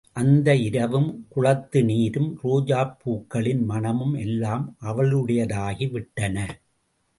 அந்த இரவும் குளத்து நீரும் ரோஜாப்பூக்களின் மணமும் எல்லாம் அவளுடையதாகி விட்டன.